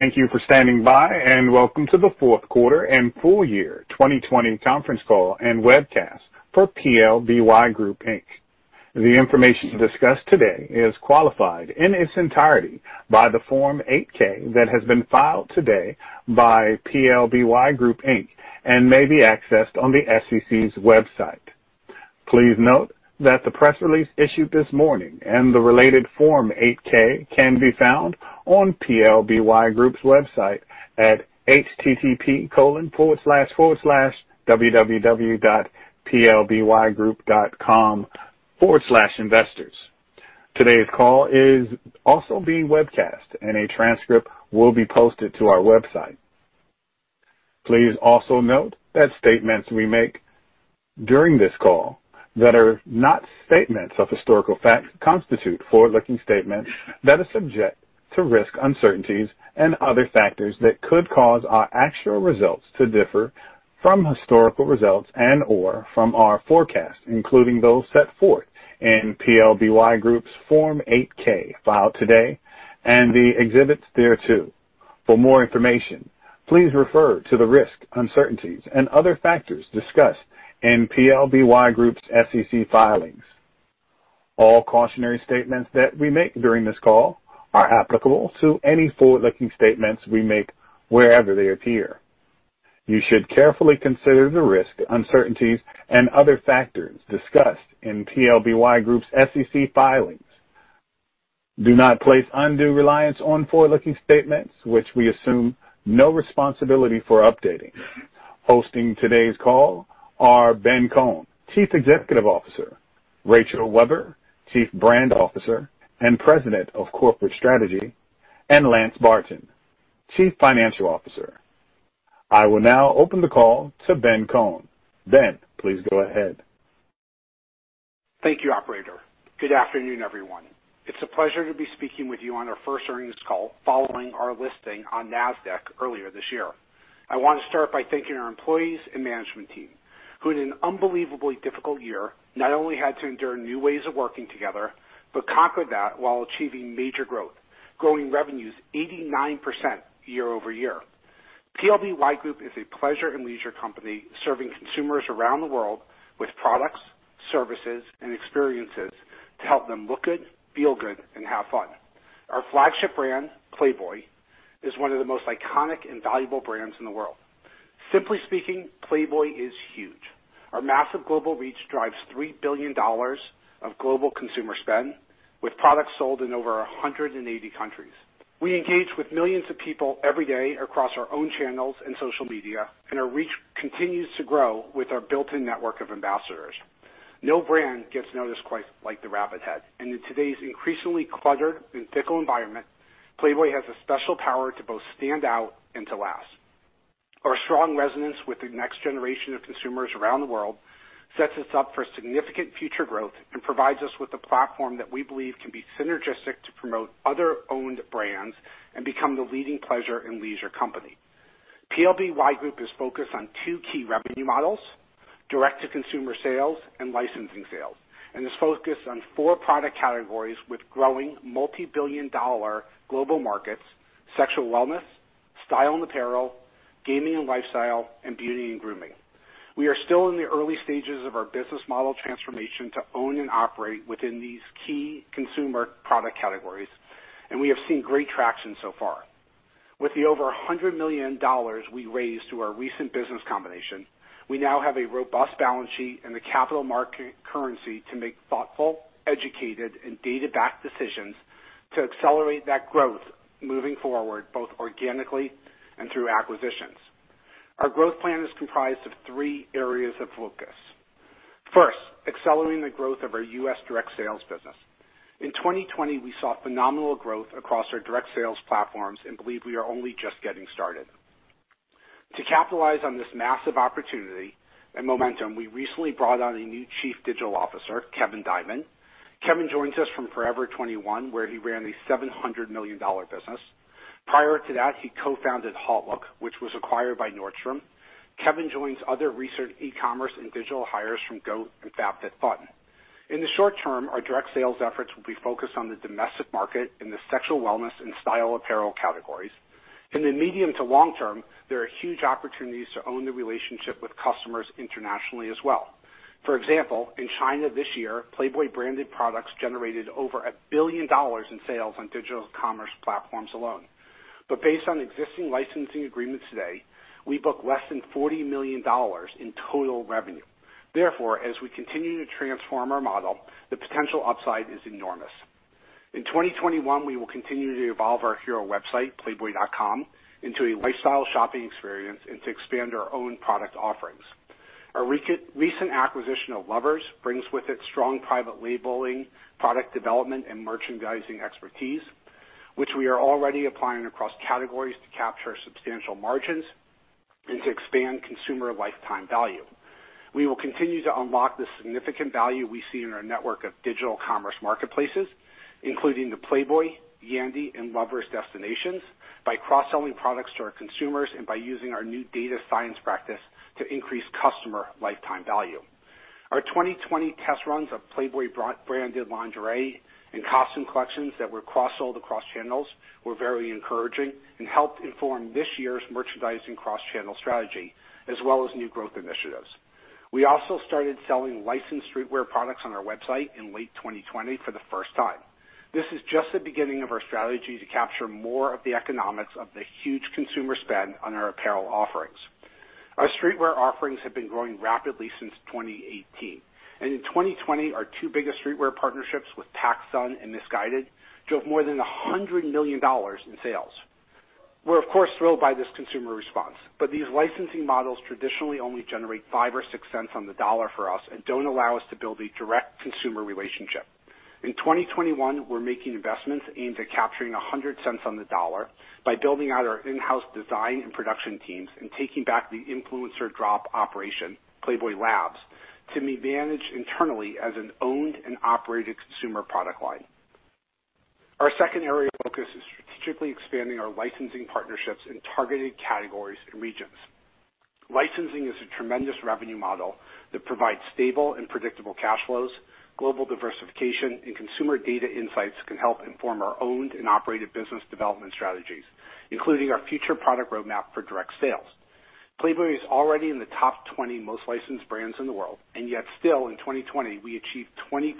Thank you for standing by, and welcome to the fourth quarter and full year 2020 conference call and webcast for PLBY Group Inc. The information discussed today is qualified in its entirety by the Form 8-K that has been filed today by PLBY Group Inc. and may be accessed on the SEC's website. Please note that the press release issued this morning and the related Form 8-K can be found on PLBY Group's website at https://www.plbygroup.com/investors. Today's call is also being webcast, and a transcript will be posted to our website. Please also note that statements we make during this call that are not statements of historical fact constitute forward-looking statements that are subject to risk, uncertainties, and other factors that could cause our actual results to differ from historical results and/or from our forecast, including those set forth in PLBY Group's Form 8-K filed today and the exhibits thereto. For more information, please refer to the risk, uncertainties, and other factors discussed in PLBY Group's SEC filings. All cautionary statements that we make during this call are applicable to any forward-looking statements we make wherever they appear. You should carefully consider the risk, uncertainties, and other factors discussed in PLBY Group's SEC filings. Do not place undue reliance on forward-looking statements, which we assume no responsibility for updating. Hosting today's call are Ben Kohn, Chief Executive Officer, Rachel Webber, Chief Brand Officer and President of Corporate Strategy, and Lance Barton, Chief Financial Officer. I will now open the call to Ben Kohn. Ben, please go ahead. Thank you, Operator. Good afternoon, everyone. It's a pleasure to be speaking with you on our first earnings call following our listing on Nasdaq earlier this year. I want to start by thanking our employees and management team, who in an unbelievably difficult year not only had to endure new ways of working together but conquered that while achieving major growth, growing revenues 89% year-over-year. PLBY Group is a pleasure and leisure company serving consumers around the world with products, services, and experiences to help them look good, feel good, and have fun. Our flagship brand, Playboy, is one of the most iconic and valuable brands in the world. Simply speaking, Playboy is huge. Our massive global reach drives $3 billion of global consumer spend, with products sold in over 180 countries. We engage with millions of people every day across our own channels and social media, and our reach continues to grow with our built-in network of ambassadors. No brand gets noticed quite like the Rabbit Head, and in today's increasingly cluttered and fickle environment, Playboy has a special power to both stand out and to last. Our strong resonance with the next generation of consumers around the world sets us up for significant future growth and provides us with a platform that we believe can be synergistic to promote other-owned brands and become the leading pleasure and leisure company. PLBY Group is focused on two key revenue models: direct-to-consumer sales and licensing sales, and is focused on four product categories with growing multi-billion-dollar global markets: sexual wellness, style and apparel, gaming and lifestyle, and beauty and grooming. We are still in the early stages of our business model transformation to own and operate within these key consumer product categories, and we have seen great traction so far. With the over $100 million we raised through our recent business combination, we now have a robust balance sheet and a capital market currency to make thoughtful, educated, and data-backed decisions to accelerate that growth moving forward both organically and through acquisitions. Our growth plan is comprised of three areas of focus. First, accelerating the growth of our U.S. direct sales business. In 2020, we saw phenomenal growth across our direct sales platforms and believe we are only just getting started. To capitalize on this massive opportunity and momentum, we recently brought on a new Chief Digital Officer, Kevin Diamond. Kevin joins us from Forever 21, where he ran a $700 million business. Prior to that, he co-founded HauteLook, which was acquired by Nordstrom. Kevin joins other recent e-commerce and digital hires from GOAT and FabFitFun. In the short term, our direct sales efforts will be focused on the domestic market in the sexual wellness and style apparel categories. In the medium to long term, there are huge opportunities to own the relationship with customers internationally as well. For example, in China this year, Playboy branded products generated over $1 billion in sales on digital commerce platforms alone. But based on existing licensing agreements today, we book less than $40 million in total revenue. Therefore, as we continue to transform our model, the potential upside is enormous. In 2021, we will continue to evolve our hero website, Playboy.com, into a lifestyle shopping experience and to expand our own product offerings. Our recent acquisition of Lovers brings with it strong private labeling, product development, and merchandising expertise, which we are already applying across categories to capture substantial margins and to expand consumer lifetime value. We will continue to unlock the significant value we see in our network of digital commerce marketplaces, including the Playboy, Yandy, and Lovers destinations, by cross-selling products to our consumers and by using our new data science practice to increase customer lifetime value. Our 2020 test runs of Playboy branded lingerie and costume collections that were cross-sold across channels were very encouraging and helped inform this year's merchandising cross-channel strategy, as well as new growth initiatives. We also started selling licensed streetwear products on our website in late 2020 for the first time. This is just the beginning of our strategy to capture more of the economics of the huge consumer spend on our apparel offerings. Our streetwear offerings have been growing rapidly since 2018, and in 2020, our two biggest streetwear partnerships with PacSun and Missguided drove more than $100 million in sales. We're, of course, thrilled by this consumer response, but these licensing models traditionally only generate 5 or 6 cents on the dollar for us and don't allow us to build a direct consumer relationship. In 2021, we're making investments aimed at capturing 100 cents on the dollar by building out our in-house design and production teams and taking back the influencer drop operation, Playboy Labs, to be managed internally as an owned and operated consumer product line. Our second area of focus is strategically expanding our licensing partnerships in targeted categories and regions. Licensing is a tremendous revenue model that provides stable and predictable cash flows. Global diversification and consumer data insights can help inform our owned and operated business development strategies, including our future product roadmap for direct sales. Playboy is already in the top 20 most licensed brands in the world, and yet still in 2020, we achieved 20%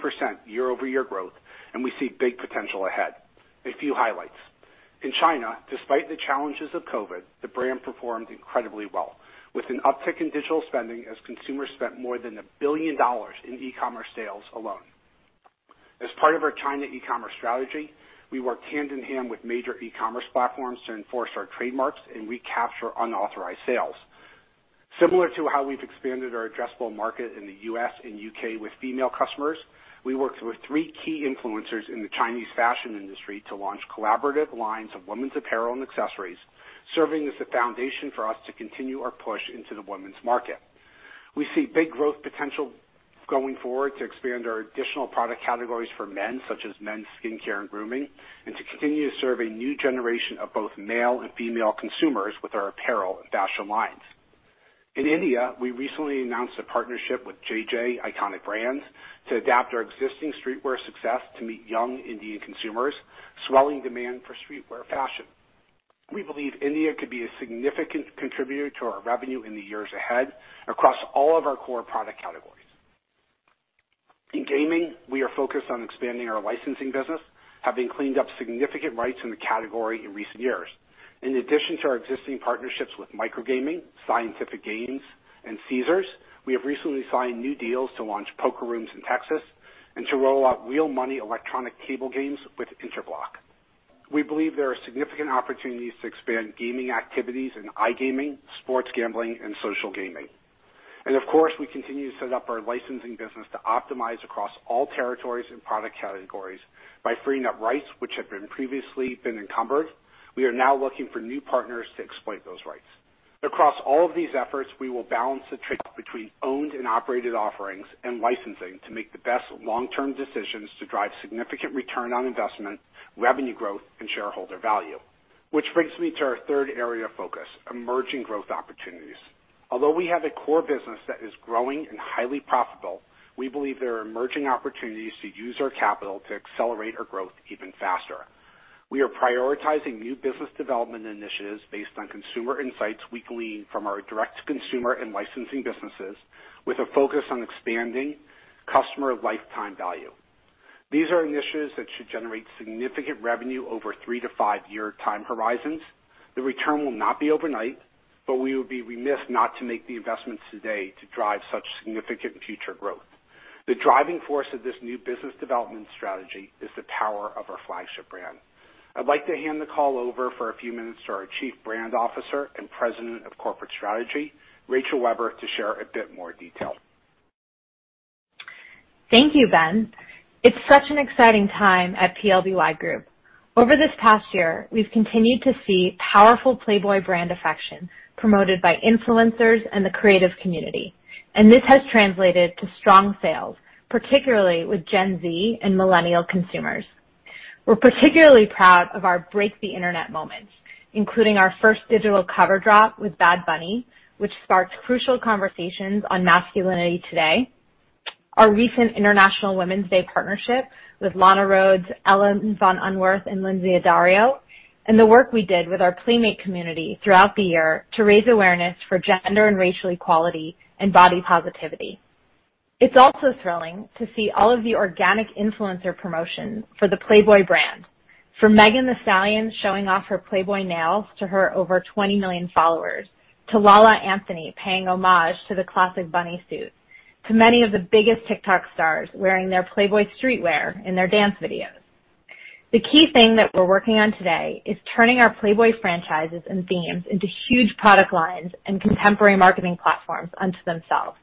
year-over-year growth, and we see big potential ahead. A few highlights: In China, despite the challenges of COVID, the brand performed incredibly well, with an uptick in digital spending as consumers spent more than $1 billion in e-commerce sales alone. As part of our China e-commerce strategy, we work hand-in-hand with major e-commerce platforms to enforce our trademarks and recapture unauthorized sales. Similar to how we've expanded our addressable market in the U.S. and U.K. with female customers, we worked with three key influencers in the Chinese fashion industry to launch collaborative lines of women's apparel and accessories, serving as the foundation for us to continue our push into the women's market. We see big growth potential going forward to expand our additional product categories for men, such as men's skincare and grooming, and to continue to serve a new generation of both male and female consumers with our apparel and fashion lines. In India, we recently announced a partnership with Jay Jay Iconic Brands to adapt our existing streetwear success to meet young Indian consumers' swelling demand for streetwear fashion. We believe India could be a significant contributor to our revenue in the years ahead across all of our core product categories. In gaming, we are focused on expanding our licensing business, having cleaned up significant rights in the category in recent years. In addition to our existing partnerships with Microgaming, Scientific Games, and Caesars, we have recently signed new deals to launch poker rooms in Texas and to roll out real money electronic table games with Interblock. We believe there are significant opportunities to expand gaming activities in iGaming, sports gambling, and social gaming, and, of course, we continue to set up our licensing business to optimize across all territories and product categories by freeing up rights which have previously been encumbered. We are now looking for new partners to exploit those rights. Across all of these efforts, we will balance the trade between owned and operated offerings and licensing to make the best long-term decisions to drive significant return on investment, revenue growth, and shareholder value. Which brings me to our third area of focus: emerging growth opportunities. Although we have a core business that is growing and highly profitable, we believe there are emerging opportunities to use our capital to accelerate our growth even faster. We are prioritizing new business development initiatives based on consumer insights we glean from our direct-to-consumer and licensing businesses, with a focus on expanding customer lifetime value. These are initiatives that should generate significant revenue over three- to five-year time horizons. The return will not be overnight, but we would be remiss not to make the investments today to drive such significant future growth. The driving force of this new business development strategy is the power of our flagship brand. I'd like to hand the call over for a few minutes to our Chief Brand Officer and President of Corporate Strategy, Rachel Webber, to share a bit more detail. Thank you, Ben. It's such an exciting time at PLBY Group. Over this past year, we've continued to see powerful Playboy brand affection promoted by influencers and the creative community, and this has translated to strong sales, particularly with Gen Z and millennial consumers. We're particularly proud of our Break the Internet moments, including our first digital cover drop with Bad Bunny, which sparked crucial conversations on masculinity today, our recent International Women's Day partnership with Lana Rhoades, Ellen von Unwerth, and Lynsey Addario, and the work we did with our Playmate community throughout the year to raise awareness for gender and racial equality and body positivity. It's also thrilling to see all of the organic influencer promotions for the Playboy brand: from Megan Thee Stallion showing off her Playboy nails to her over 20 million followers, to La La Anthony paying homage to the classic bunny suit, to many of the biggest TikTok stars wearing their Playboy streetwear in their dance videos. The key thing that we're working on today is turning our Playboy franchises and themes into huge product lines and contemporary marketing platforms unto themselves.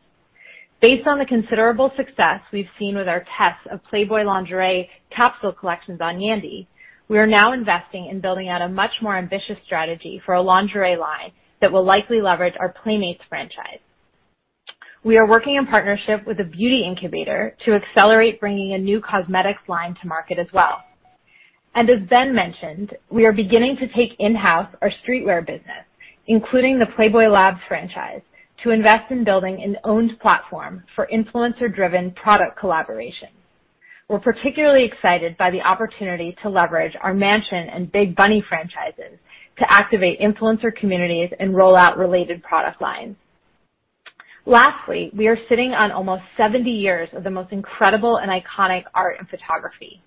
Based on the considerable success we've seen with our tests of Playboy lingerie capsule collections on Yandy, we are now investing in building out a much more ambitious strategy for a lingerie line that will likely leverage our Playmates franchise. We are working in partnership with a beauty incubator to accelerate bringing a new cosmetics line to market as well. As Ben mentioned, we are beginning to take in-house our streetwear business, including the Playboy Labs franchise, to invest in building an owned platform for influencer-driven product collaborations. We're particularly excited by the opportunity to leverage our Mansion and Big Bunny franchises to activate influencer communities and roll out related product lines. Lastly, we are sitting on almost 70 years of the most incredible and iconic art and photography.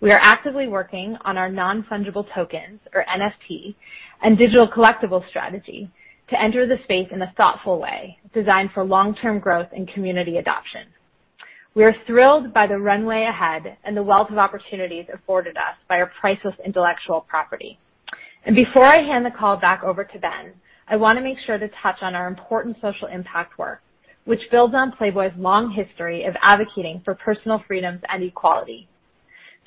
We are actively working on our non-fungible tokens, or NFT, and digital collectible strategy to enter the space in a thoughtful way, designed for long-term growth and community adoption. We are thrilled by the runway ahead and the wealth of opportunities afforded us by our priceless intellectual property. And before I hand the call back over to Ben, I want to make sure to touch on our important social impact work, which builds on Playboy's long history of advocating for personal freedoms and equality.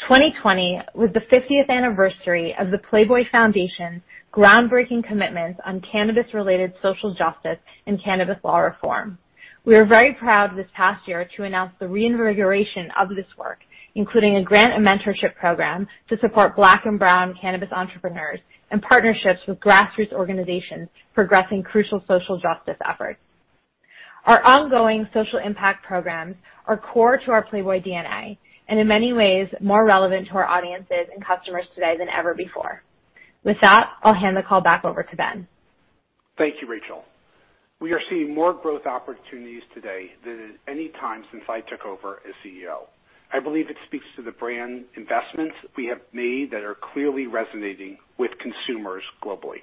2020 was the 50th anniversary of the Playboy Foundation's groundbreaking commitments on cannabis-related social justice and cannabis law reform. We are very proud this past year to announce the reinvigoration of this work, including a grant and mentorship program to support Black and Brown cannabis entrepreneurs and partnerships with grassroots organizations progressing crucial social justice efforts. Our ongoing social impact programs are core to our Playboy DNA and, in many ways, more relevant to our audiences and customers today than ever before. With that, I'll hand the call back over to Ben. Thank you, Rachel. We are seeing more growth opportunities today than at any time since I took over as CEO. I believe it speaks to the brand investments we have made that are clearly resonating with consumers globally.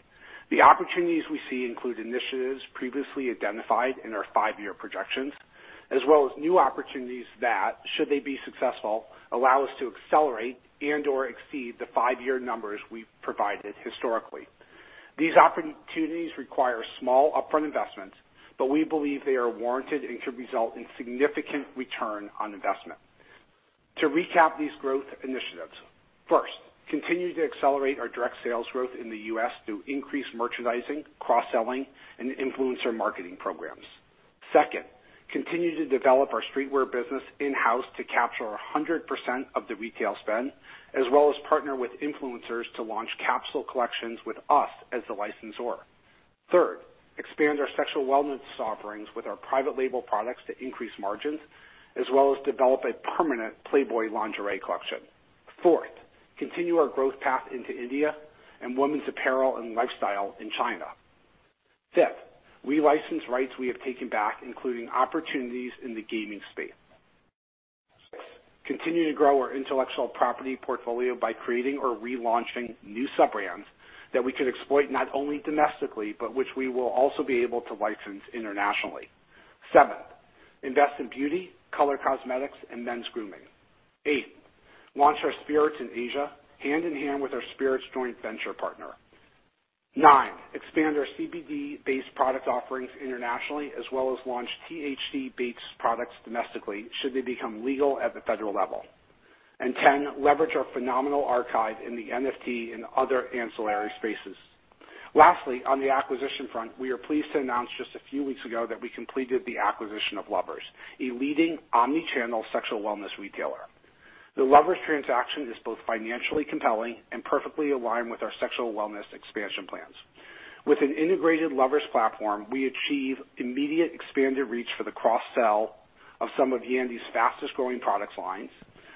The opportunities we see include initiatives previously identified in our five-year projections, as well as new opportunities that, should they be successful, allow us to accelerate and/or exceed the five-year numbers we've provided historically. These opportunities require small upfront investments, but we believe they are warranted and can result in significant return on investment. To recap these growth initiatives: First, continue to accelerate our direct sales growth in the U.S. through increased merchandising, cross-selling, and influencer marketing programs. Second, continue to develop our streetwear business in-house to capture 100% of the retail spend, as well as partner with influencers to launch capsule collections with us as the licensor. Third, expand our sexual wellness offerings with our private label products to increase margins, as well as develop a permanent Playboy lingerie collection. Fourth, continue our growth path into India and women's apparel and lifestyle in China. Fifth, we license rights we have taken back, including opportunities in the gaming space. Sixth, continue to grow our intellectual property portfolio by creating or relaunching new sub-brands that we can exploit not only domestically, but which we will also be able to license internationally. Seventh, invest in beauty, color cosmetics, and men's grooming. Eighth, launch our spirits in Asia hand-in-hand with our spirits joint venture partner. Ninth, expand our CBD-based product offerings internationally, as well as launch THC-based products domestically should they become legal at the federal level. And ten, leverage our phenomenal archive in the NFT and other ancillary spaces. Lastly, on the acquisition front, we are pleased to announce just a few weeks ago that we completed the acquisition of Lovers, a leading omnichannel sexual wellness retailer. The Lovers transaction is both financially compelling and perfectly aligned with our sexual wellness expansion plans. With an integrated Lovers platform, we achieve immediate expanded reach for the cross-sell of some of Yandy's fastest-growing product lines,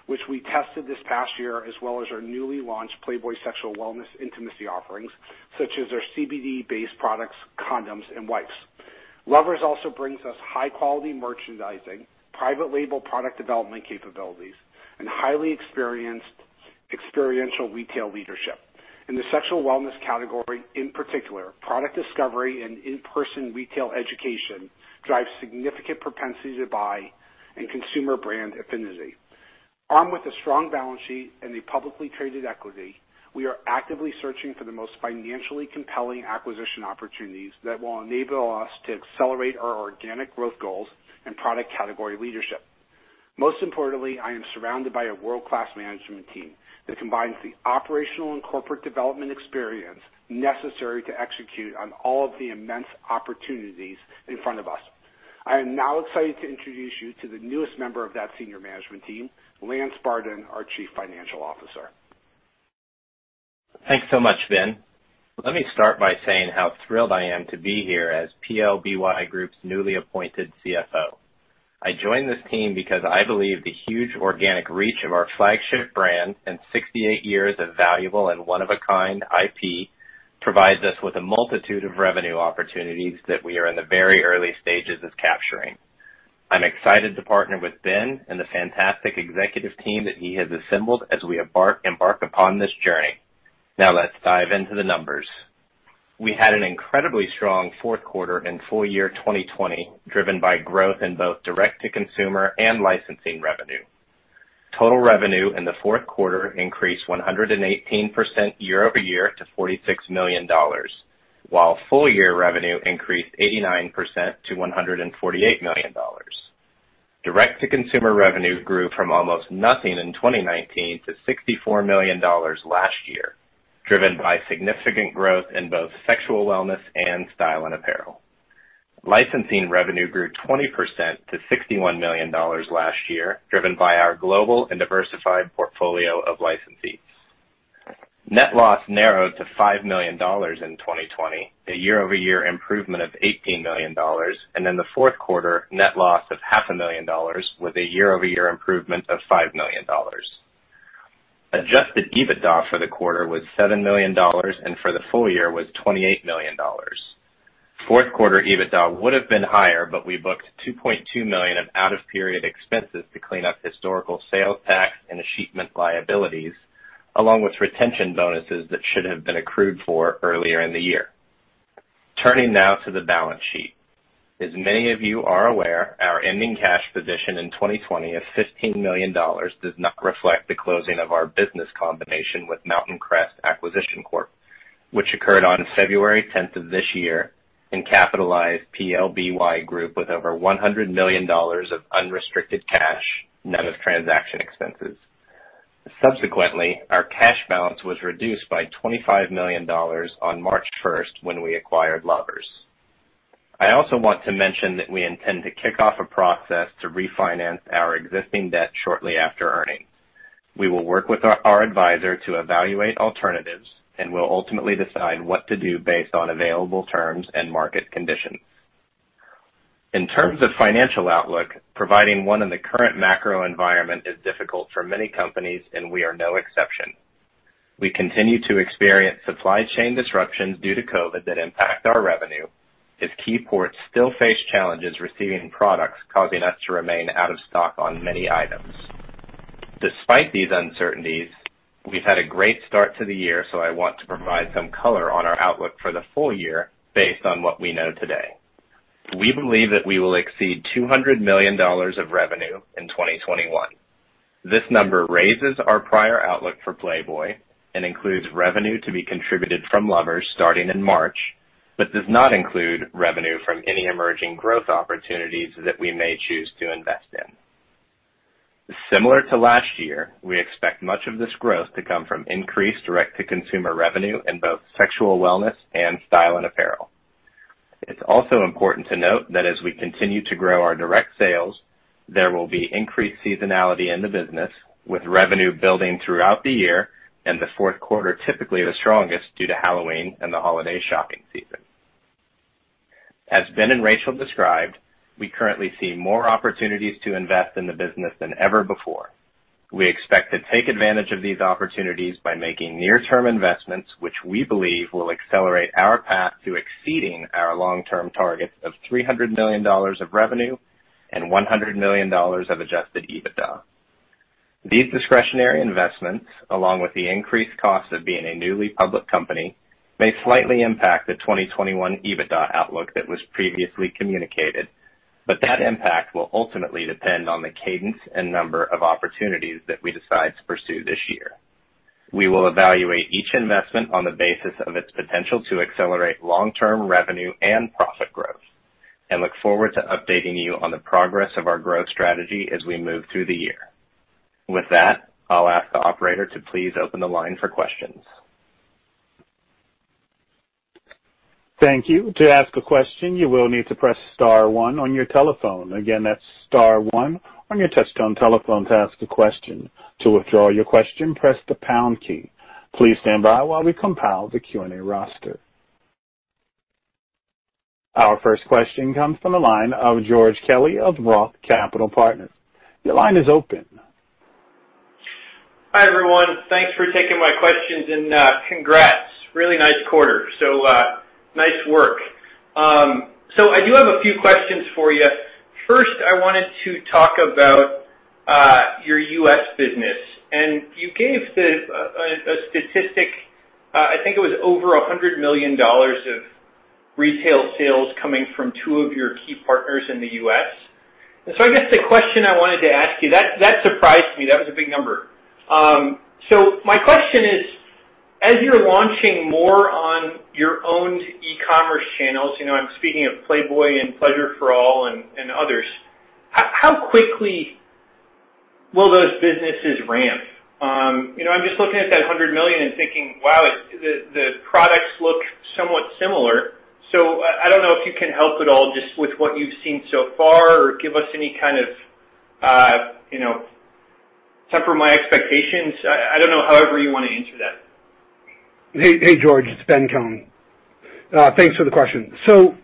which we tested this past year, as well as our newly launched Playboy sexual wellness intimacy offerings, such as our CBD-based products, condoms, and wipes. Lovers also brings us high-quality merchandising, private label product development capabilities, and highly experienced experiential retail leadership. In the sexual wellness category in particular, product discovery and in-person retail education drive significant propensity to buy and consumer brand affinity. Armed with a strong balance sheet and a publicly traded equity, we are actively searching for the most financially compelling acquisition opportunities that will enable us to accelerate our organic growth goals and product category leadership. Most importantly, I am surrounded by a world-class management team that combines the operational and corporate development experience necessary to execute on all of the immense opportunities in front of us. I am now excited to introduce you to the newest member of that senior management team, Lance Barton, our Chief Financial Officer. Thanks so much, Ben. Let me start by saying how thrilled I am to be here as PLBY Group's newly appointed CFO. I joined this team because I believe the huge organic reach of our flagship brand and 68 years of valuable and one-of-a-kind IP provides us with a multitude of revenue opportunities that we are in the very early stages of capturing. I'm excited to partner with Ben and the fantastic executive team that he has assembled as we embark upon this journey. Now let's dive into the numbers. We had an incredibly strong fourth quarter and full year 2020, driven by growth in both direct-to-consumer and licensing revenue. Total revenue in the fourth quarter increased 118% year-over-year to $46 million, while full-year revenue increased 89% to $148 million. Direct-to-consumer revenue grew from almost nothing in 2019 to $64 million last year, driven by significant growth in both sexual wellness and style and apparel. Licensing revenue grew 20% to $61 million last year, driven by our global and diversified portfolio of licensees. Net loss narrowed to $5 million in 2020, a year-over-year improvement of $18 million, and in the fourth quarter, net loss of $500,000 with a year-over-year improvement of $5 million. Adjusted EBITDA for the quarter was $7 million, and for the full year was $28 million. Fourth quarter EBITDA would have been higher, but we booked $2.2 million of out-of-period expenses to clean up historical sales tax and achievement liabilities, along with retention bonuses that should have been accrued for earlier in the year. Turning now to the balance sheet. As many of you are aware, our ending cash position in 2020 of $15 million does not reflect the closing of our business combination with Mountain Crest Acquisition Corp, which occurred on February 10th of this year and capitalized PLBY Group with over $100 million of unrestricted cash, none of the transaction expenses. Subsequently, our cash balance was reduced by $25 million on March 1st when we acquired Lovers. I also want to mention that we intend to kick off a process to refinance our existing debt shortly after earnings. We will work with our advisor to evaluate alternatives and will ultimately decide what to do based on available terms and market conditions. In terms of financial outlook, providing one in the current macro environment is difficult for many companies, and we are no exception. We continue to experience supply chain disruptions due to COVID that impact our revenue, as key ports still face challenges receiving products, causing us to remain out of stock on many items. Despite these uncertainties, we've had a great start to the year, so I want to provide some color on our outlook for the full year based on what we know today. We believe that we will exceed $200 million of revenue in 2021. This number raises our prior outlook for Playboy and includes revenue to be contributed from Lovers starting in March, but does not include revenue from any emerging growth opportunities that we may choose to invest in. Similar to last year, we expect much of this growth to come from increased direct-to-consumer revenue in both sexual wellness and style and apparel. It's also important to note that as we continue to grow our direct sales, there will be increased seasonality in the business, with revenue building throughout the year, and the fourth quarter typically the strongest due to Halloween and the holiday shopping season. As Ben and Rachel described, we currently see more opportunities to invest in the business than ever before. We expect to take advantage of these opportunities by making near-term investments, which we believe will accelerate our path to exceeding our long-term targets of $300 million of revenue and $100 million of Adjusted EBITDA. These discretionary investments, along with the increased cost of being a newly public company, may slightly impact the 2021 EBITDA outlook that was previously communicated, but that impact will ultimately depend on the cadence and number of opportunities that we decide to pursue this year. We will evaluate each investment on the basis of its potential to accelerate long-term revenue and profit growth and look forward to updating you on the progress of our growth strategy as we move through the year. With that, I'll ask the operator to please open the line for questions. Thank you. To ask a question, you will need to press star one on your telephone. Again, that's star one on your touch-tone telephone to ask a question. To withdraw your question, press the pound key. Please stand by while we compile the Q&A roster. Our first question comes from the line of George Kelly of Roth Capital Partners. Your line is open. Hi everyone. Thanks for taking my questions, and congrats. Really nice quarter. So nice work. So I do have a few questions for you. First, I wanted to talk about your U.S. business. And you gave a statistic, I think it was over $100 million of retail sales coming from two of your key partners in the U.S. And so I guess the question I wanted to ask you, that surprised me. That was a big number. So my question is, as you're launching more on your own e-commerce channels, I'm speaking of Playboy and Pleasure for All and others, how quickly will those businesses ramp? I'm just looking at that $100 million and thinking, wow, the products look somewhat similar. So I don't know if you can help at all just with what you've seen so far or give us any kind of temper my expectations. I don't know however you want to answer that. Hey, George. It's Ben Kohn. Thanks for the question. So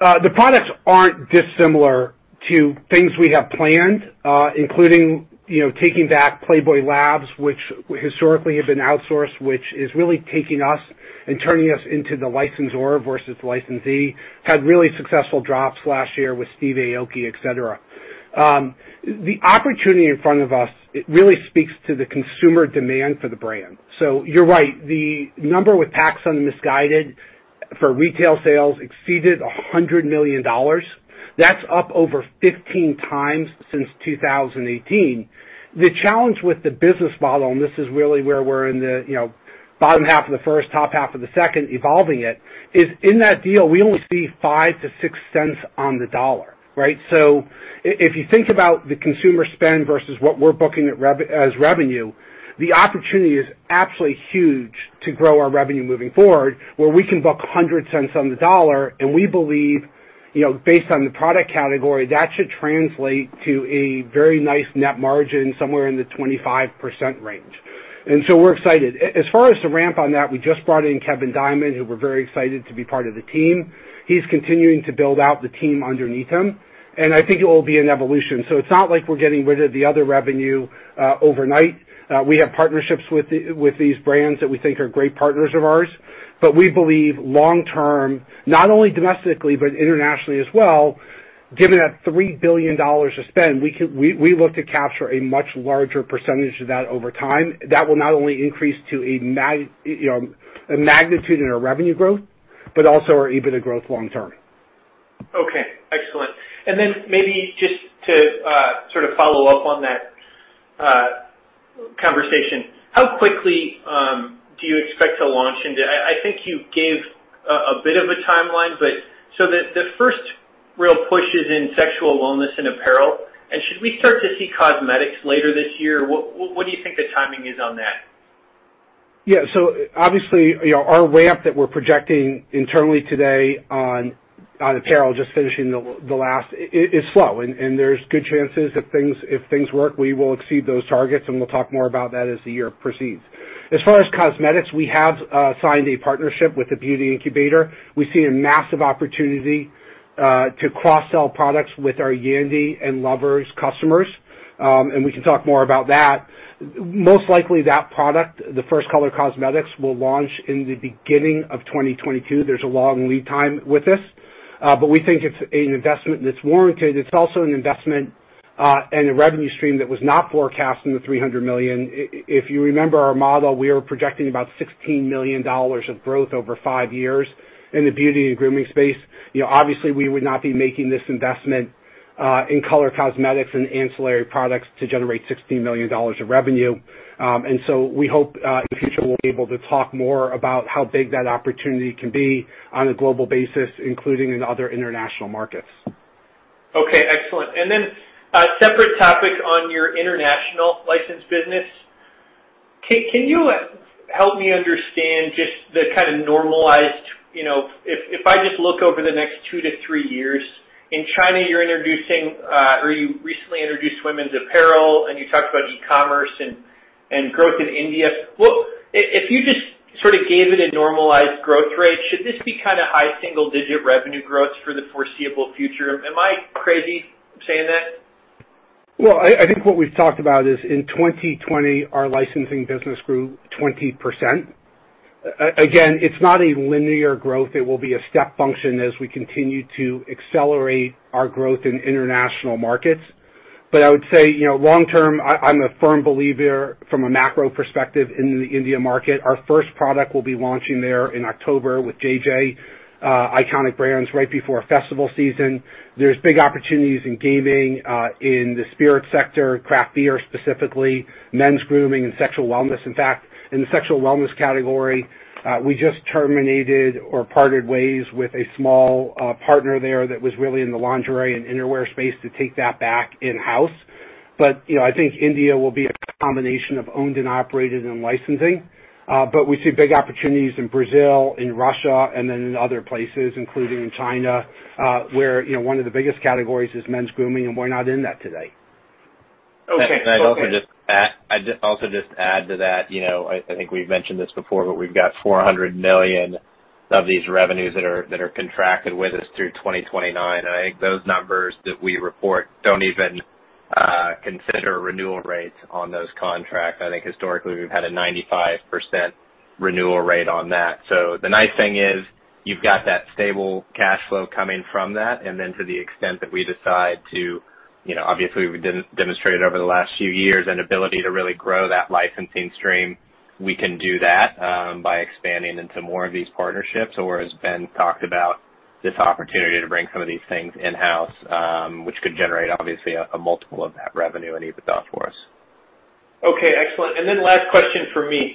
the products aren't dissimilar to things we have planned, including taking back Playboy Labs, which historically had been outsourced, which is really taking us and turning us into the licensor versus licensee. Had really successful drops last year with Steve Aoki, etc. The opportunity in front of us really speaks to the consumer demand for the brand. So you're right. The number with Missguided for retail sales exceeded $100 million. That's up over 15 times since 2018. The challenge with the business model, and this is really where we're in the bottom half of the first, top half of the second, evolving it, is in that deal, we only see 5-6 cents on the dollar. So if you think about the consumer spend versus what we're booking as revenue, the opportunity is absolutely huge to grow our revenue moving forward, where we can book 100 cents on the dollar, and we believe, based on the product category, that should translate to a very nice net margin somewhere in the 25% range. And so we're excited. As far as the ramp on that, we just brought in Kevin Diamond, who we're very excited to be part of the team. He's continuing to build out the team underneath him, and I think it will be an evolution. So it's not like we're getting rid of the other revenue overnight. We have partnerships with these brands that we think are great partners of ours, but we believe long-term, not only domestically but internationally as well, given that $3 billion of spend, we look to capture a much larger percentage of that over time. That will not only increase to a magnitude in our revenue growth, but also our EBITDA growth long-term. Okay. Excellent. And then maybe just to sort of follow up on that conversation, how quickly do you expect to launch into, I think you gave a bit of a timeline, but so the first real push is in sexual wellness and apparel. And should we start to see cosmetics later this year? What do you think the timing is on that? Yeah. So obviously, our ramp that we're projecting internally today on apparel, just finishing the last, is slow. And there's good chances if things work, we will exceed those targets, and we'll talk more about that as the year proceeds. As far as cosmetics, we have signed a partnership with the beauty Incubator. We see a massive opportunity to cross-sell products with our Yandy and Lovers customers, and we can talk more about that. Most likely, that product, the first color cosmetics, will launch in the beginning of 2022. There's a long lead time with this, but we think it's an investment that's warranted. It's also an investment and a revenue stream that was not forecast in the $300 million. If you remember our model, we were projecting about $16 million of growth over five years in the beauty and grooming space. Obviously, we would not be making this investment in color cosmetics and ancillary products to generate $16 million of revenue. And so we hope in the future we'll be able to talk more about how big that opportunity can be on a global basis, including in other international markets. Okay. Excellent. And then a separate topic on your international license business. Can you help me understand just the kind of normalized-if I just look over the next two to three years, in China, you're introducing-or you recently introduced women's apparel, and you talked about e-commerce and growth in India. Well, if you just sort of gave it a normalized growth rate, should this be kind of high single-digit revenue growth for the foreseeable future? Am I crazy saying that? I think what we've talked about is in 2020, our licensing business grew 20%. Again, it's not a linear growth. It will be a step function as we continue to accelerate our growth in international markets. But I would say long-term, I'm a firm believer from a macro perspective in the India market. Our first product will be launching there in October with Jay Jay Iconic Brands right before festival season. There's big opportunities in gaming, in the spirits sector, craft beer specifically, men's grooming, and sexual wellness. In fact, in the sexual wellness category, we just terminated or parted ways with a small partner there that was really in the lingerie and innerwear space to take that back in-house. But I think India will be a combination of owned and operated and licensing. But we see big opportunities in Brazil, in Russia, and then in other places, including in China, where one of the biggest categories is men's grooming, and we're not in that today. Okay. And I'd also just add to that, I think we've mentioned this before, but we've got $400 million of these revenues that are contracted with us through 2029. And I think those numbers that we report don't even consider renewal rates on those contracts. I think historically we've had a 95% renewal rate on that. So the nice thing is you've got that stable cash flow coming from that. And then to the extent that we decide to, obviously we've demonstrated over the last few years an ability to really grow that licensing stream, we can do that by expanding into more of these partnerships. Or as Ben talked about, this opportunity to bring some of these things in-house, which could generate obviously a multiple of that revenue and EBITDA for us. Okay. Excellent. And then last question for me.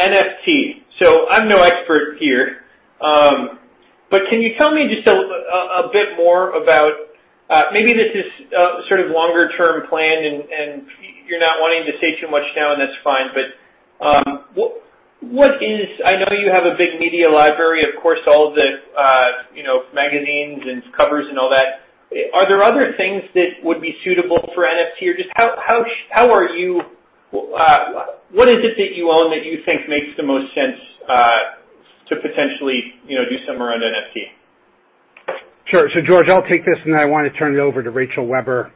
NFT. So I'm no expert here, but can you tell me just a bit more about, maybe this is sort of longer-term plan, and you're not wanting to say too much now, and that's fine. But what is, I know you have a big media library, of course, all the magazines and covers and all that. Are there other things that would be suitable for NFT? Or just how are you, what is it that you own that you think makes the most sense to potentially do somewhere around NFT? Sure. So George, I'll take this, and then I want to turn it over to Rachel Webber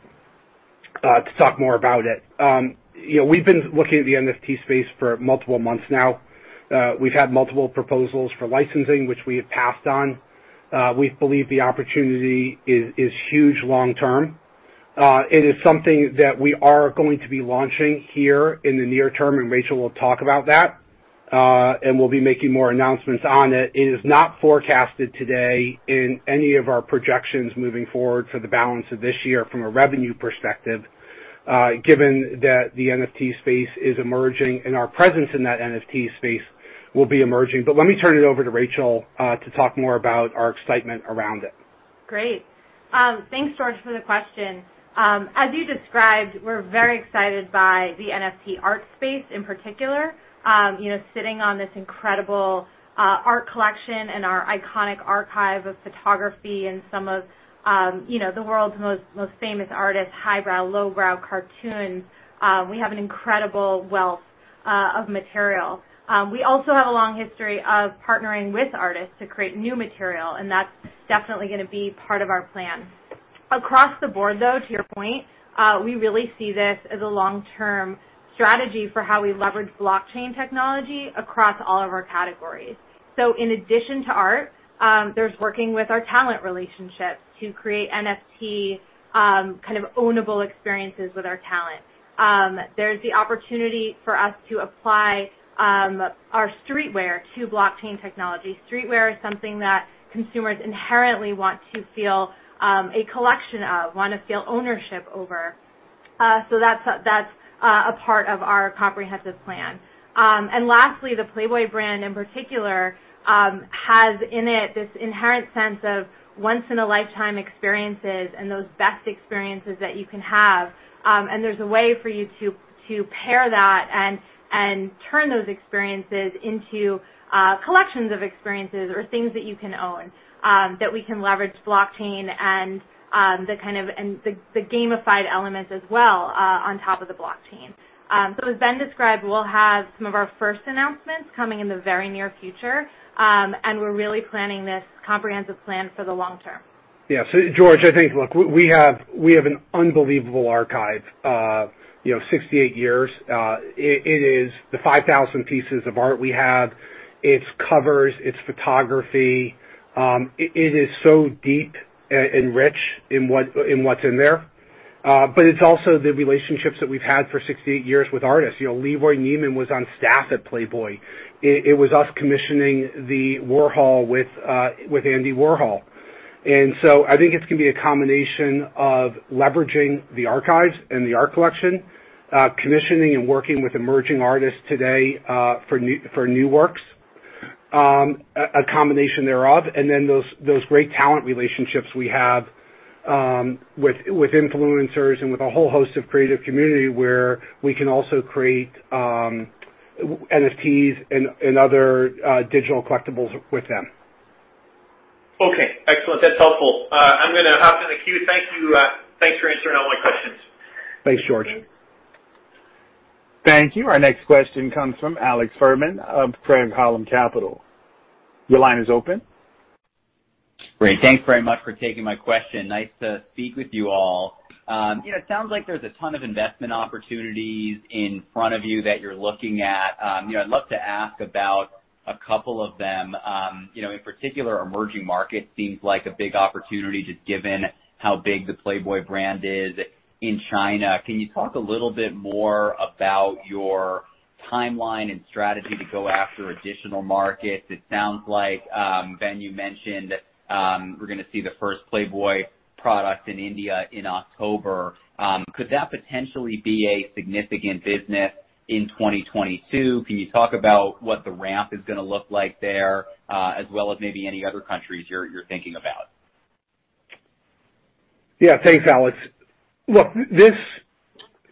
to talk more about it. We've been looking at the NFT space for multiple months now. We've had multiple proposals for licensing, which we have passed on. We believe the opportunity is huge long-term. It is something that we are going to be launching here in the near term, and Rachel will talk about that, and we'll be making more announcements on it. It is not forecasted today in any of our projections moving forward for the balance of this year from a revenue perspective, given that the NFT space is emerging and our presence in that NFT space will be emerging. But let me turn it over to Rachel to talk more about our excitement around it. Great. Thanks, George, for the question. As you described, we're very excited by the NFT art space in particular. Sitting on this incredible art collection and our iconic archive of photography and some of the world's most famous artists, highbrow, lowbrow cartoons, we have an incredible wealth of material. We also have a long history of partnering with artists to create new material, and that's definitely going to be part of our plan. Across the board, though, to your point, we really see this as a long-term strategy for how we leverage blockchain technology across all of our categories. So in addition to art, there's working with our talent relationships to create NFT kind of ownable experiences with our talent. There's the opportunity for us to apply our streetwear to blockchain technology. Streetwear is something that consumers inherently want to feel a collection of, want to feel ownership over. So that's a part of our comprehensive plan. And lastly, the Playboy brand in particular has in it this inherent sense of once-in-a-lifetime experiences and those best experiences that you can have. And there's a way for you to pair that and turn those experiences into collections of experiences or things that you can own that we can leverage blockchain and the kind of gamified elements as well on top of the blockchain. So as Ben described, we'll have some of our first announcements coming in the very near future, and we're really planning this comprehensive plan for the long term. Yeah. So George, I think, look, we have an unbelievable archive. 68 years. It is the 5,000 pieces of art we have. It's covers. It's photography. It is so deep and rich in what's in there. But it's also the relationships that we've had for 68 years with artists. LeRoy Neiman was on staff at Playboy. It was us commissioning the Warhol with Andy Warhol. And so I think it's going to be a combination of leveraging the archives and the art collection, commissioning and working with emerging artists today for new works, a combination thereof. And then those great talent relationships we have with influencers and with a whole host of creative community where we can also create NFTs and other digital collectibles with them. Okay. Excellent. That's helpful. I'm going to hop in the queue. Thank you. Thanks for answering all my questions. Thanks, George. Thank you. Our next question comes from Alex Fuhrman of Craig-Hallum Capital. Your line is open. Great. Thanks very much for taking my question. Nice to speak with you all. It sounds like there's a ton of investment opportunities in front of you that you're looking at. I'd love to ask about a couple of them. In particular, emerging markets seems like a big opportunity just given how big the Playboy brand is in China. Can you talk a little bit more about your timeline and strategy to go after additional markets? It sounds like, Ben, you mentioned we're going to see the first Playboy product in India in October. Could that potentially be a significant business in 2022? Can you talk about what the ramp is going to look like there, as well as maybe any other countries you're thinking about? Yeah. Thanks, Alex. Look,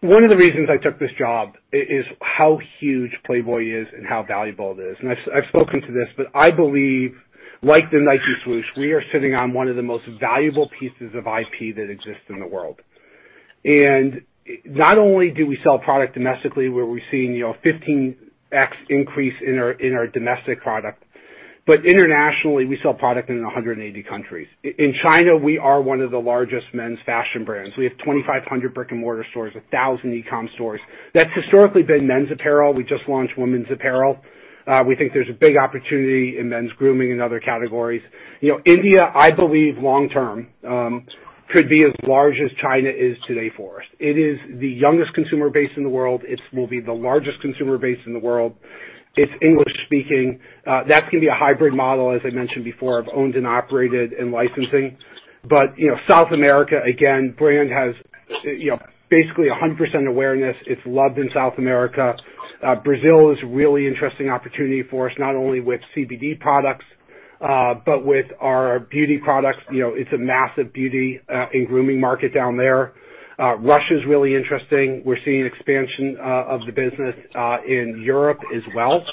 one of the reasons I took this job is how huge Playboy is and how valuable it is. And I've spoken to this, but I believe, like the Nike Swoosh, we are sitting on one of the most valuable pieces of IP that exists in the world. And not only do we sell product domestically, where we're seeing a 15x increase in our domestic product, but internationally, we sell product in 180 countries. In China, we are one of the largest men's fashion brands. We have 2,500 brick-and-mortar stores, 1,000 e-comm stores. That's historically been men's apparel. We just launched women's apparel. We think there's a big opportunity in men's grooming and other categories. India, I believe, long-term could be as large as China is today for us. It is the youngest consumer base in the world. It will be the largest consumer base in the world. It's English-speaking. That's going to be a hybrid model, as I mentioned before, of owned and operated and licensing, but South America, again, brand has basically 100% awareness. It's loved in South America. Brazil is a really interesting opportunity for us, not only with CBD products, but with our beauty products. It's a massive beauty and grooming market down there. Russia is really interesting. We're seeing expansion of the business in Europe as well,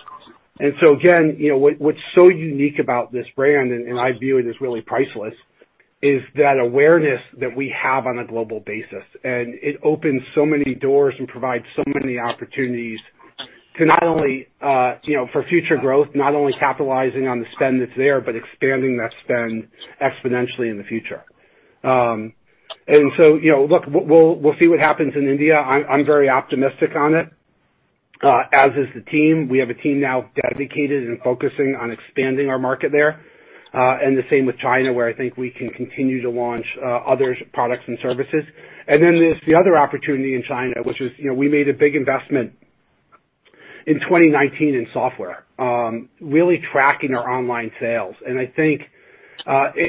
so again, what's so unique about this brand, and I view it as really priceless, is that awareness that we have on a global basis. And it opens so many doors and provides so many opportunities to not only for future growth, not only capitalizing on the spend that's there, but expanding that spend exponentially in the future. And so look, we'll see what happens in India. I'm very optimistic on it, as is the team. We have a team now dedicated and focusing on expanding our market there. And the same with China, where I think we can continue to launch other products and services. And then there's the other opportunity in China, which is we made a big investment in 2019 in software, really tracking our online sales. And I think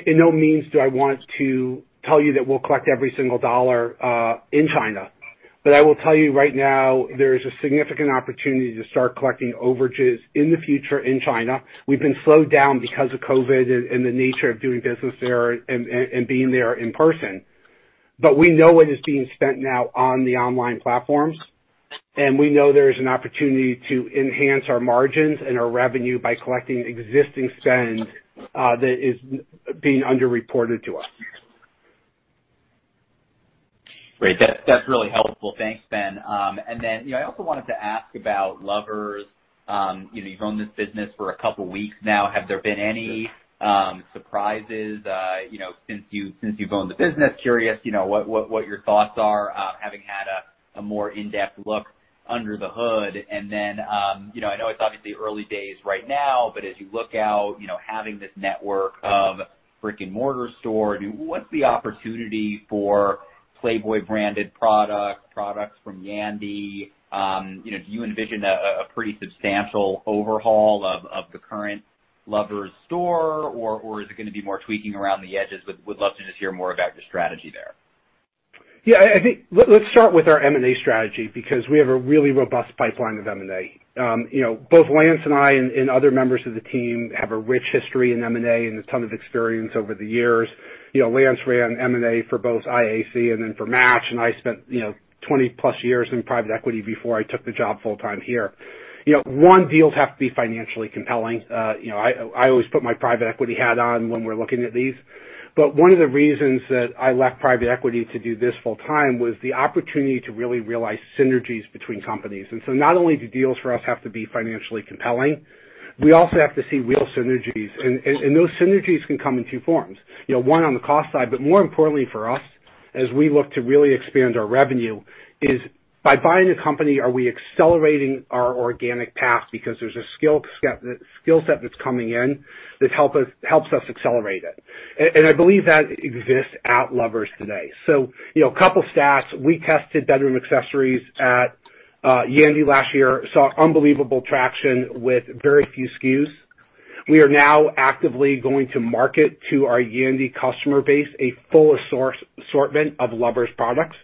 in no means do I want to tell you that we'll collect every single dollar in China. But I will tell you right now, there is a significant opportunity to start collecting overages in the future in China. We've been slowed down because of COVID and the nature of doing business there and being there in person. But we know it is being spent now on the online platforms. We know there is an opportunity to enhance our margins and our revenue by collecting existing spend that is being underreported to us. Great. That's really helpful. Thanks, Ben. And then I also wanted to ask about Lovers. You've owned this business for a couple of weeks now. Have there been any surprises since you've owned the business? Curious what your thoughts are having had a more in-depth look under the hood. And then I know it's obviously early days right now, but as you look out, having this network of brick-and-mortar store, what's the opportunity for Playboy-branded products, products from Yandy? Do you envision a pretty substantial overhaul of the current Lovers store, or is it going to be more tweaking around the edges? Would love to just hear more about your strategy there. Yeah. I think let's start with our M&A strategy because we have a really robust pipeline of M&A. Both Lance and I and other members of the team have a rich history in M&A and a ton of experience over the years. Lance ran M&A for both IAC and then for Match, and I spent 20-plus years in private equity before I took the job full-time here. One deal has to be financially compelling. I always put my private equity hat on when we're looking at these. But one of the reasons that I left private equity to do this full-time was the opportunity to really realize synergies between companies. And so not only do deals for us have to be financially compelling, we also have to see real synergies. And those synergies can come in two forms. One on the cost side, but more importantly for us, as we look to really expand our revenue, is by buying a company, are we accelerating our organic path because there's a skill set that's coming in that helps us accelerate it? And I believe that exists at Lovers today. So a couple of stats. We tested bedroom accessories at Yandy last year, saw unbelievable traction with very few SKUs. We are now actively going to market to our Yandy customer base a full assortment of Lovers products.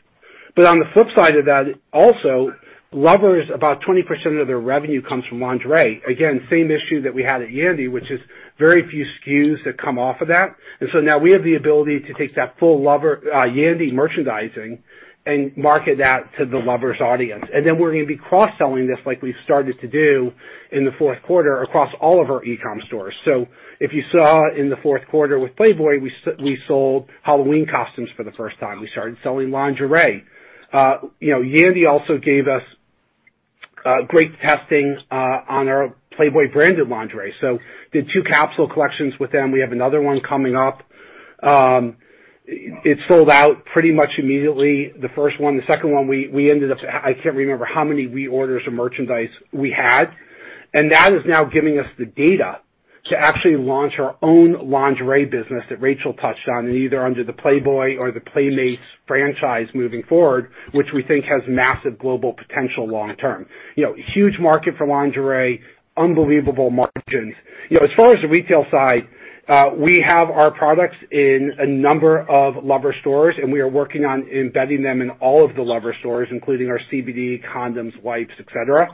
But on the flip side of that, also, Lovers, about 20% of their revenue comes from lingerie. Again, same issue that we had at Yandy, which is very few SKUs that come off of that. And so now we have the ability to take that full Yandy merchandising and market that to the Lovers audience. And then we're going to be cross-selling this like we've started to do in the fourth quarter across all of our e-comm stores. So if you saw in the fourth quarter with Playboy, we sold Halloween costumes for the first time. We started selling lingerie. Yandy also gave us great testing on our Playboy-branded lingerie. We did two capsule collections with them. We have another one coming up. It sold out pretty much immediately, the first one. The second one, we ended up, I can't remember how many reorders of merchandise we had. And that is now giving us the data to actually launch our own lingerie business that Rachel touched on, either under the Playboy or the Playmates franchise moving forward, which we think has massive global potential long-term. Huge market for lingerie, unbelievable margins. As far as the retail side, we have our products in a number of Lovers stores, and we are working on embedding them in all of the Lovers stores, including our CBD, condoms, wipes, etc.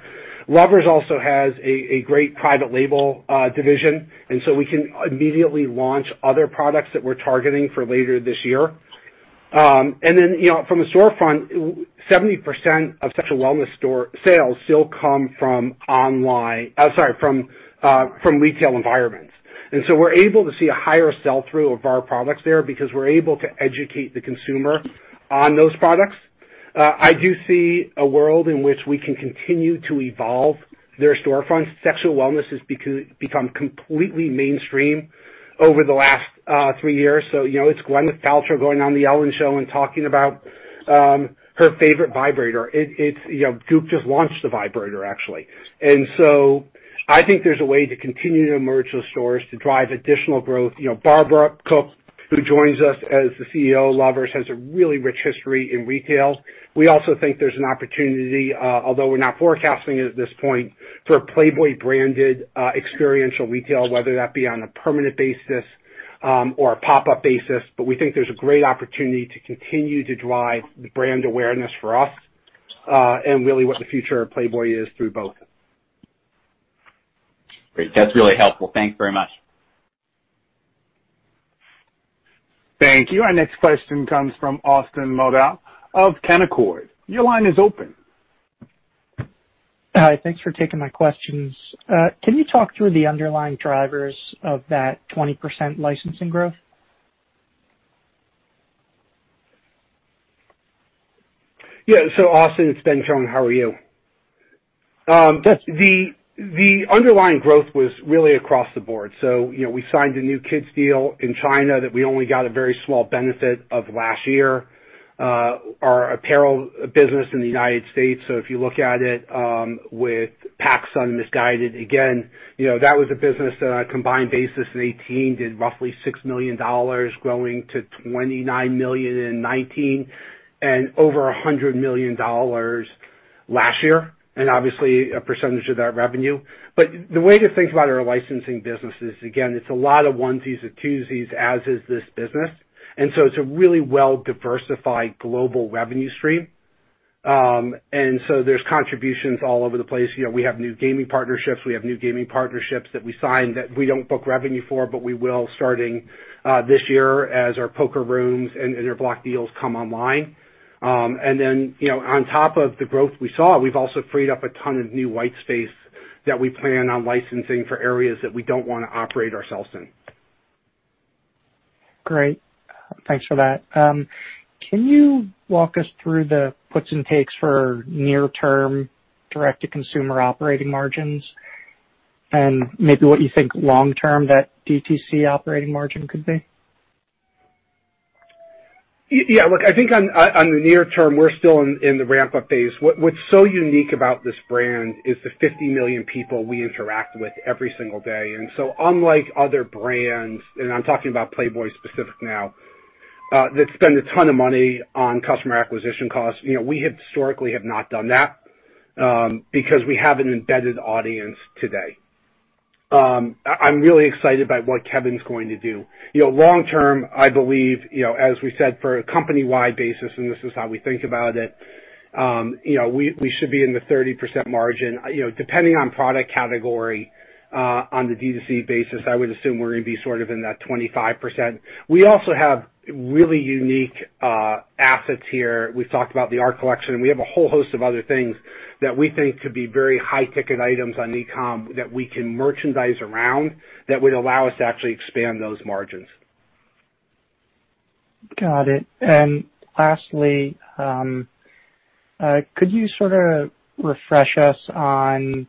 Lovers also has a great private label division, and so we can immediately launch other products that we're targeting for later this year, and then from a storefront, 70% of sexual wellness sales still come from online, sorry, from retail environments, and so we're able to see a higher sell-through of our products there because we're able to educate the consumer on those products. I do see a world in which we can continue to evolve their storefronts, so it's Gwyneth Paltrow going on The Ellen Show and talking about her favorite vibrator. Goop just launched the vibrator, actually. And so I think there's a way to continue to emerge those stores to drive additional growth. Barbara Cook, who joins us as the CEO of Lovers, has a really rich history in retail. We also think there's an opportunity, although we're not forecasting it at this point, for Playboy-branded experiential retail, whether that be on a permanent basis or a pop-up basis. But we think there's a great opportunity to continue to drive the brand awareness for us and really what the future of Playboy is through both. Great. That's really helpful. Thanks very much. Thank you. Our next question comes from Austin Moldow of Canaccord. Your line is open. Hi. Thanks for taking my questions. Can you talk through the underlying drivers of that 20% licensing growth? Yeah. So Austin, it's Ben Kohn. How are you? The underlying growth was really across the board. So we signed a new kids' deal in China that we only got a very small benefit of last year. Our apparel business in the United States, so if you look at it with PacSun and Missguided, again, that was a business that on a combined basis in 2018 did roughly $6 million growing to $29 million in 2019 and over $100 million last year, and obviously a percentage of that revenue. But the way to think about our licensing business is, again, it's a lot of onesies, twosies, as is this business. And so it's a really well-diversified global revenue stream. And so there's contributions all over the place. We have new gaming partnerships. We have new gaming partnerships that we signed that we don't book revenue for, but we will starting this year as our poker rooms and Interblock deals come online, and then on top of the growth we saw, we've also freed up a ton of new white space that we plan on licensing for areas that we don't want to operate ourselves in. Great. Thanks for that. Can you walk us through the puts and takes for near-term direct-to-consumer operating margins and maybe what you think long-term that DTC operating margin could be? Yeah. Look, I think on the near term, we're still in the ramp-up phase. What's so unique about this brand is the 50 million people we interact with every single day. And so unlike other brands, and I'm talking about Playboy specific now, that spend a ton of money on customer acquisition costs, we historically have not done that because we have an embedded audience today. I'm really excited by what Kevin's going to do. Long-term, I believe, as we said, for a company-wide basis, and this is how we think about it, we should be in the 30% margin. Depending on product category, on the DTC basis, I would assume we're going to be sort of in that 25%. We also have really unique assets here. We've talked about the art collection. We have a whole host of other things that we think could be very high-ticket items on e-comm that we can merchandise around that would allow us to actually expand those margins. Got it. And lastly, could you sort of refresh us on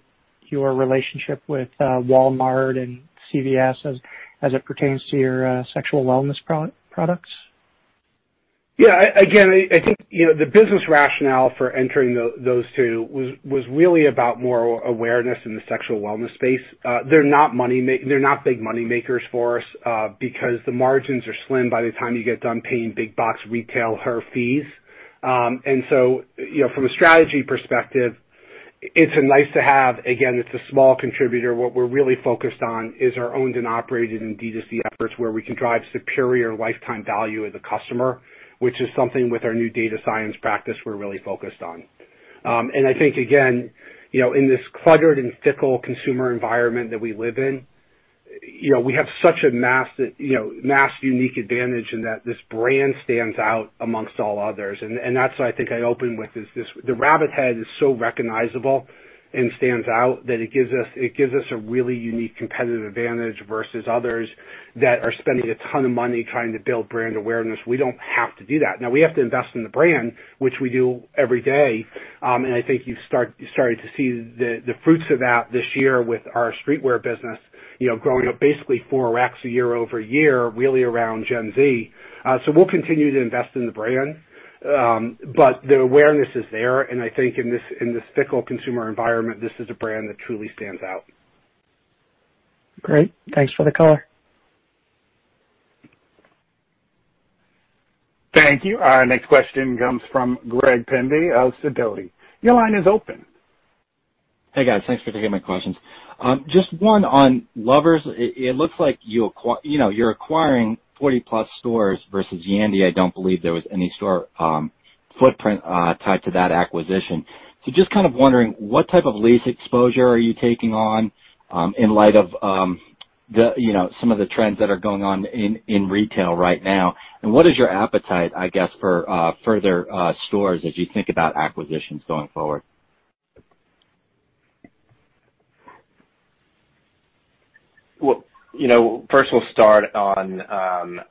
your relationship with Walmart and CVS as it pertains to your sexual wellness products? Yeah. Again, I think the business rationale for entering those two was really about more awareness in the sexual wellness space. They're not big moneymakers for us because the margins are slim by the time you get done paying big-box retail their fees. And so from a strategy perspective, it's nice to have. Again, it's a small contributor. What we're really focused on is our owned and operated DTC efforts where we can drive superior lifetime value of the customer, which is something with our new data science practice we're really focused on. And I think, again, in this cluttered and fickle consumer environment that we live in, we have such a massive unique advantage in that this brand stands out amongst all others. That's what I think I open with is the Rabbit Head is so recognizable and stands out that it gives us a really unique competitive advantage versus others that are spending a ton of money trying to build brand awareness. We don't have to do that. Now, we have to invest in the brand, which we do every day. And I think you've started to see the fruits of that this year with our streetwear business growing up basically 400% year over year, really around Gen Z. So we'll continue to invest in the brand, but the awareness is there. And I think in this fickle consumer environment, this is a brand that truly stands out. Great. Thanks for the call. Thank you. Our next question comes from Greg Pendy of Sidoti. Your line is open. Hey, guys. Thanks for taking my questions. Just one on Lovers. It looks like you're acquiring 40-plus stores versus Yandy. I don't believe there was any store footprint tied to that acquisition. So just kind of wondering, what type of lease exposure are you taking on in light of some of the trends that are going on in retail right now? And what is your appetite, I guess, for further stores as you think about acquisitions going forward? First, we'll start on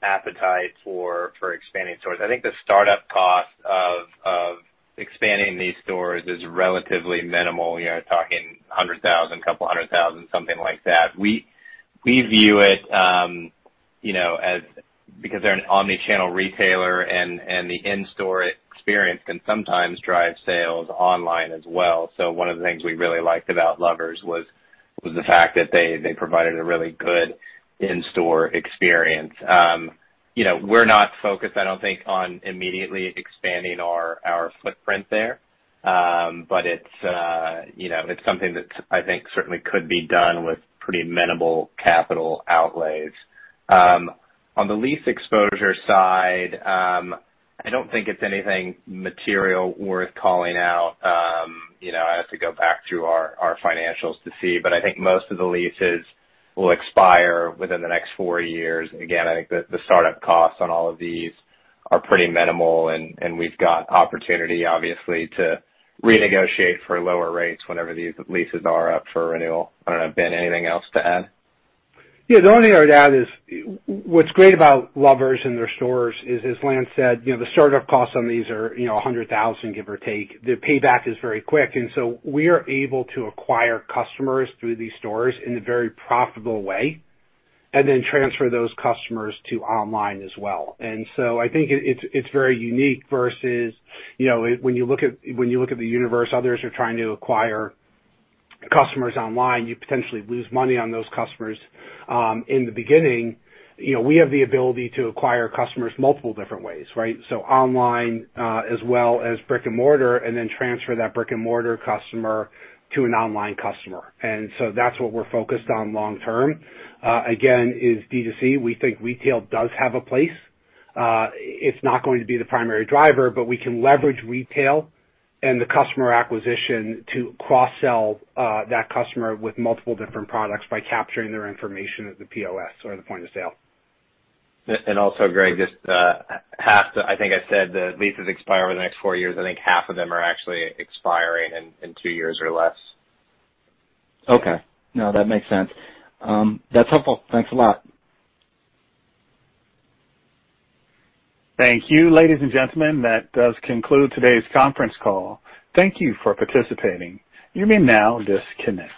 appetite for expanding stores. I think the startup cost of expanding these stores is relatively minimal. You're talking $200,000, something like that. We view it as because they're an omnichannel retailer, and the in-store experience can sometimes drive sales online as well. So one of the things we really liked about Lovers was the fact that they provided a really good in-store experience. We're not focused, I don't think, on immediately expanding our footprint there, but it's something that I think certainly could be done with pretty minimal capital outlays. On the lease exposure side, I don't think it's anything material worth calling out. I have to go back through our financials to see, but I think most of the leases will expire within the next four years. Again, I think the startup costs on all of these are pretty minimal, and we've got opportunity, obviously, to renegotiate for lower rates whenever these leases are up for renewal. I don't know, Ben, anything else to add? Yeah. The only thing I would add is what's great about Lovers and their stores is, as Lance said, the startup costs on these are $100,000, give or take. The payback is very quick. And so we are able to acquire customers through these stores in a very profitable way and then transfer those customers to online as well. And so I think it's very unique versus when you look at the universe, others are trying to acquire customers online, you potentially lose money on those customers. In the beginning, we have the ability to acquire customers multiple different ways, right? So online as well as brick-and-mortar, and then transfer that brick-and-mortar customer to an online customer. And so that's what we're focused on long-term. Again, is DTC. We think retail does have a place. It's not going to be the primary driver, but we can leverage retail and the customer acquisition to cross-sell that customer with multiple different products by capturing their information at the POS or the point of sale. Also, Greg, just half the, I think I said the leases expire over the next four years. I think half of them are actually expiring in two years or less. Okay. No, that makes sense. That's helpful. Thanks a lot. Thank you, ladies and gentlemen. That does conclude today's conference call. Thank you for participating. You may now disconnect.